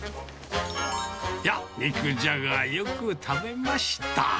いや、肉じゃが、よく食べました。